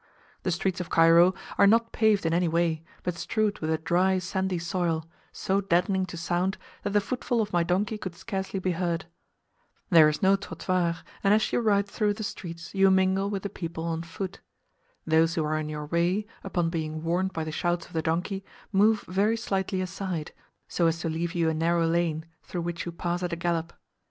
The streets of Cairo are not paved in any way, but strewed with a dry sandy soil, so deadening to sound, that the footfall of my donkey could scarcely be heard. There is no trottoir, and as you ride through the streets you mingle with the people on foot. Those who are in your way, upon being warned by the shouts of the donkey boy, move very slightly aside, so as to leave you a narrow lane, through which you pass at a gallop.